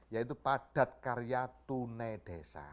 yaitu padat karya tunai desa